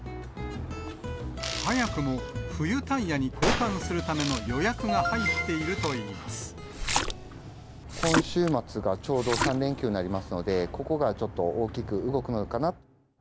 早くも冬タイヤに交換するた今週末がちょうど３連休になりますので、ここがちょっと、大きく動くのかな。